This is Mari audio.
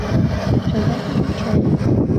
Шагатым ончале.